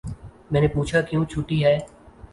میں نے پوچھا کیوں چھٹی ہے